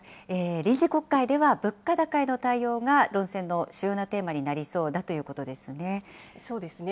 臨時国会では物価高への対応が論戦の主要なテーマになりそうだとそうですね。